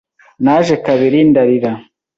Naje kabiri ndarira!